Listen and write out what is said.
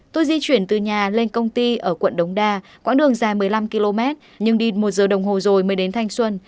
tôi di chuyển từ nhà lên công ty ở quận đống đa quãng đường dài một mươi năm km nhưng đi một giờ đồng hồ rồi mới đến thanh xuân